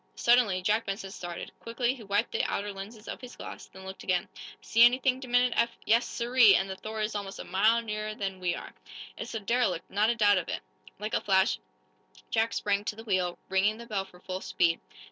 Suddenly, Jack Benson started. Quickly he wiped the outer lenses of his glass, then looked again. "See anything?" demanded Eph. "Yes, sirree! And the 'Thor' is almost a mile nearer than we are! It's the derelict not a doubt of it!" Like a flash Jack sprang to the wheel, ringing the bell for full speed.